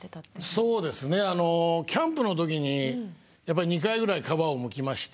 そうですねキャンプの時にやっぱり２回ぐらい皮をむきまして。